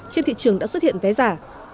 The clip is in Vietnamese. trên thị trường đã xuất hiện vé giả